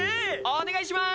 お願いします！